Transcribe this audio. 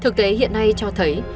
thực tế hiện nay cho thấy